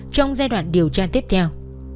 trong giai đoạn điều tra tiếp theo